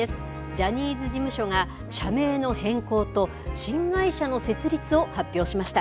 ジャニーズ事務所が社名の変更と新会社の設立を発表しました。